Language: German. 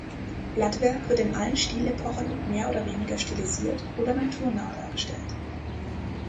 Blattwerk wird in allen Stilepochen mehr oder weniger stilisiert oder naturnah dargestellt.